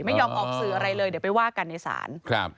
ไม่ยอมออกสื่ออะไรเลยเดี๋ยวไปว่ากันในศาลครับ